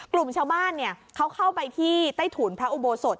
กลุ่มชาวบ้านเขาเข้าไปที่ใต้ถุนพระอุโบสถ